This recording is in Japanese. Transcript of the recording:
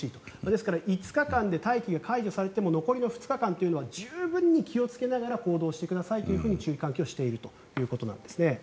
ですから、５日間で待機が解除されても残りの２日間というのは十分に気をつけながら行動してくださいと注意喚起をしているということなんですね。